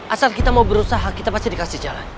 asal kita mau berusaha kita pasti dikasih jalan